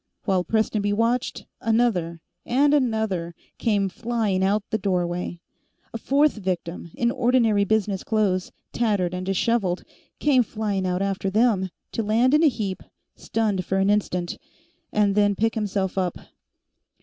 While Prestonby watched, another, and another, came flying out the doorway. A fourth victim, in ordinary business clothes, tattered and disheveled, came flying out after them, to land in a heap, stunned for an instant, and then pick himself up.